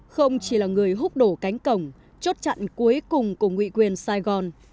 không chỉ là người húc đổ cánh cổng chốt trận cuối cùng của nguyện quyền sài gòn